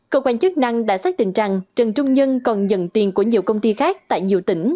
cơ quan chức năng đã xác định rằng trần trung nhân còn nhận tiền của nhiều công ty khác tại nhiều tỉnh